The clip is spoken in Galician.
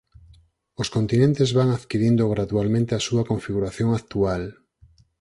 Os continentes van adquirindo gradualmente a súa configuración actual.